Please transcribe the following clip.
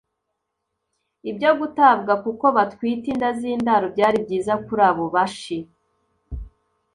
ibyo gutabwa kuko batwite inda z’indaro byari byiza kuri abo Bashi